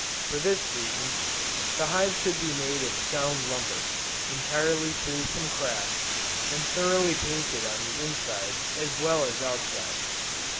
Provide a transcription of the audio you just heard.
For this reason, the hive should be made of sound lumber, entirely free from cracks, and thoroughly painted on the inside as well as outside.